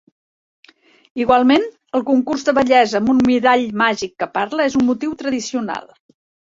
Igualment el concurs de bellesa amb un mirall màgic que parla és un motiu tradicional.